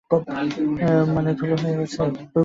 মানে, ধুলো হয়ে গেছে?